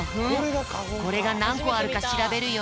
これがなんこあるかしらべるよ。